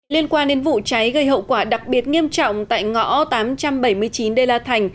liên quan đến vụ cháy gây hậu quả đặc biệt nghiêm trọng tại ngõ tám trăm bảy mươi chín đê la thành